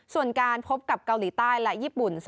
ส่วนการพบกับเกาหลีใต้และญี่ปุ่น